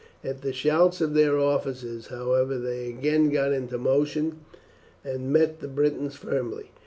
At the shouts of their officers, however, they again got into motion and met the Britons firmly.